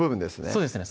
そうですね